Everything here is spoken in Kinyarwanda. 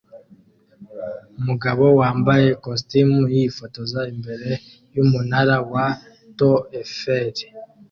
Umugabo wambaye ikositimu yifotoza imbere yumunara wa To eferi